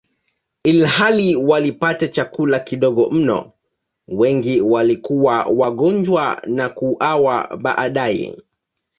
Ilhali walipata chakula kidogo mno, wengi walikuwa wagonjwa na kuuawa baadaye.